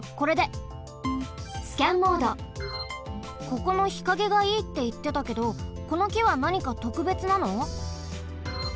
ここの日陰がいいっていってたけどこのきはなにかとくべつなの？